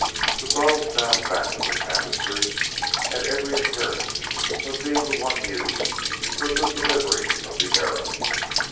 The bow found back of the tapestry had every appearance of being the one used for the delivery of the arrow.